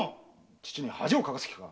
父に恥をかかす気か！